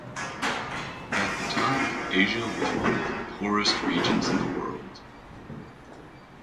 At the time, Asia was one of the poorest regions in the world.